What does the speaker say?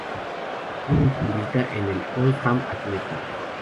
Actualmente milita en el Oldham Athletic.